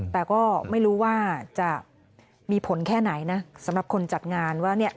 แต่ก็ไม่รู้ว่าจะมีผลแค่ไหนนะสำหรับคนจัดงานว่าเนี่ย